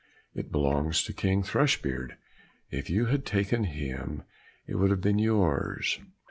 "It belongs to King Thrushbeard; if you had taken him, it would have been yours."